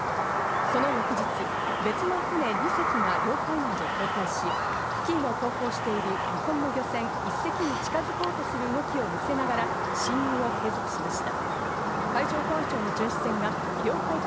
その翌日、別の船２隻が領海内で交代し、付近を航行している日本の漁船１隻に近づこうとする動きを見せながら侵入を継続しました。